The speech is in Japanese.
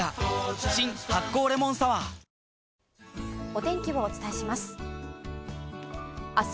お天気をお伝えします。